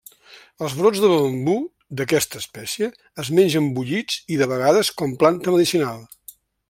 Els brots de bambú d'aquesta espècie es mengen bullits i de vegades com planta medicinal.